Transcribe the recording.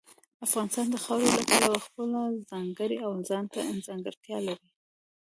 افغانستان د خاورې له پلوه خپله ځانګړې او ځانته ځانګړتیا لري.